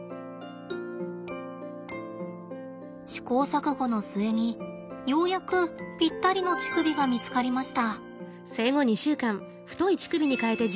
試行錯誤の末にようやくピッタリの乳首が見つかりました。